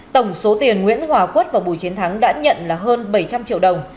tổng số tiền nguyễn hòa quất và bùi chiến thắng đã nhận là hơn bảy trăm linh triệu đồng